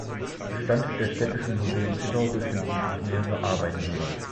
Im Bestand der Städtischen Museen Zittau befinden sich mehrere Arbeiten Müllers.